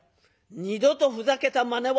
二度とふざけたまねはするなよ。